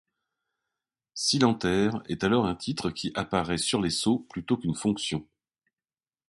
Silentiaire est alors un titre, qui apparaît sur les sceaux, plutôt qu'une fonction.